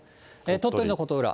鳥取の琴浦。